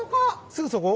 すぐそこ？